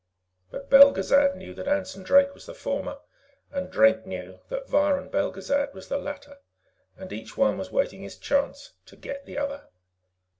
But Belgezad knew that Anson Drake was the former, and Drake knew that Viron Belgezad was the latter. And each one was waiting his chance to get the other.